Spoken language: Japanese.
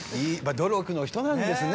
努力の人なんですね